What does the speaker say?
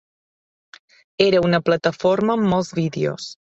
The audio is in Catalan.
Era una plataforma amb molts vídeos.